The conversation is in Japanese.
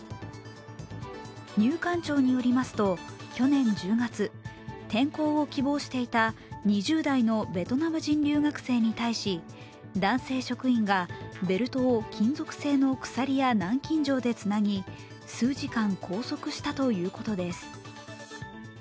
入管庁によりますと去年１０月、転校を希望していた２０代のベトナム人留学生に対し男性職員がベルトを金属製の鎖や南京錠でつなぎ数時間拘束したということです。